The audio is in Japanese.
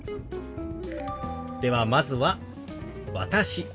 ではまずは「私」。